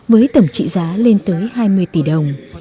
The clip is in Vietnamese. với tổng trị giá lên tới hai mươi tỷ đồng